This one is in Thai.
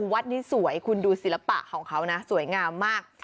วัดนี้สวยคุณดูศิลปะของเขานะสวยงามมาก